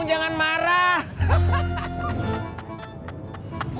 jangan marah hahaha